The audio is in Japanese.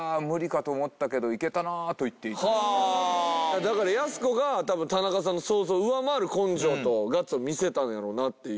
だからやす子がたぶん田中さんの想像を上回る根性とガッツを見せたんやろなっていう。